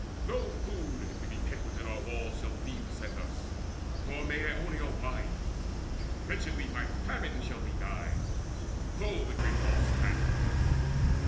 No food, if we be pent within our walls, Shall Thebe send us, nor Maeonia wine, But wretchedly by famine shall we die, Though the great wall stand firm.